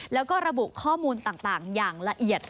แล้วก็ระบุข้อมูลต่างอย่างละเอียด